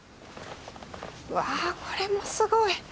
わこれもすごい！